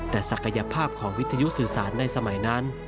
แต่ศักยภาพของวิทยุสื่อสารในสมัยนั้น